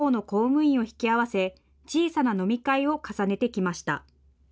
中央省庁と地方の公務員を引き合わせ、小さな飲み会を重ねてきました。